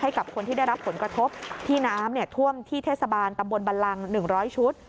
ให้กับคนที่ได้รับผลกระทบที่น้ำท่วมที่เทศบาลตำบลบันลัง๑๐๐ชุด